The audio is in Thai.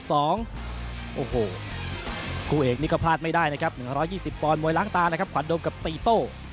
โอ้โหคู่เอกนี่ก็พลาดไม่ได้นะครับ๑๒๐ปอนดมวยล้างตานะครับขวัญโดมกับตีโต้